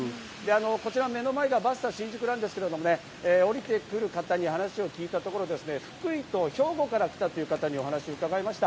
こちら目の前がバスタ新宿なんですが、降りてくる方に話を聞いたところ、福井と兵庫から来たという方にお話を伺いました。